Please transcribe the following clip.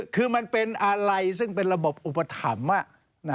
คือมันเป็นอะไรซึ่งเป็นระบบอุปถัมภ์